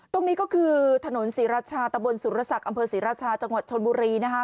ตรงนี้ก็คือถนนศรีราชาตะบนสุรศักดิ์อำเภอศรีราชาจังหวัดชนบุรีนะคะ